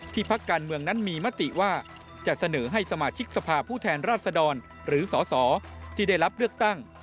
พักการเมืองนั้นมีมติว่าจะเสนอให้สมาชิกสภาพผู้แทนราชดรหรือสสที่ได้รับเลือกตั้ง